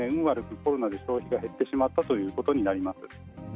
悪くコロナで消費が減ってしまったということになります。